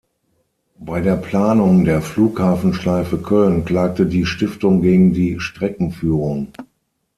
Bei der Planung der Flughafenschleife Köln klagte die Stiftung gegen die Streckenführung.